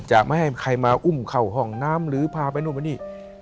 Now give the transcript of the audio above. จะไม่ให้ใครมาอุ้มเข้าห้องน้ำหรือพาไปนู่นไปนี่